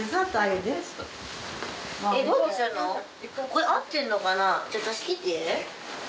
これ合ってんのかな？